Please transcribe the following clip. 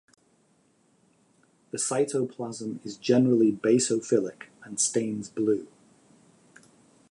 The cytoplasm is generally basophilic and stains blue.